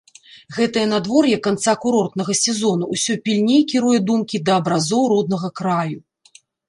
Гэтае надвор'е канца курортнага сезону ўсё пільней кіруе думкі да абразоў роднага краю.